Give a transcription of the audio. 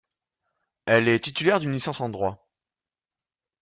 Elle est titulaire d'une licence en droit.